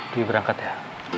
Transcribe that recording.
dwi berangkat ya